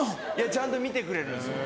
ちゃんと見てくれるんですよ。